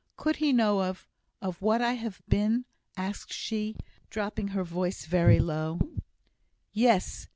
Could he know of of what I have been?" asked she, dropping her voice very low. "Yes!"